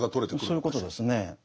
そういうことですね。